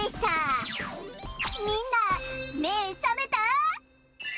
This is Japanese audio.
みんなめぇさめた？